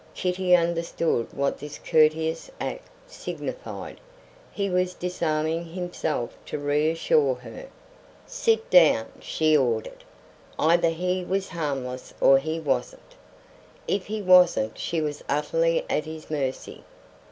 Kitty understood what this courteous act signified; he was disarming himself to reassure her. "Sit down," she ordered. Either he was harmless or he wasn't. If he wasn't she was utterly at his mercy.